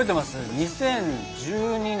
２０１２年。